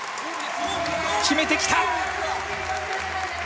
決めてきた！